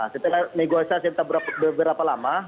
setelah negosiasi entah beberapa lama